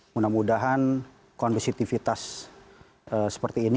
mudah mudahan kondisitivitas seperti ini